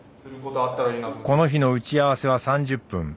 この日の打ち合わせは３０分。